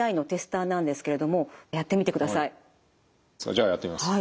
じゃあやってみます。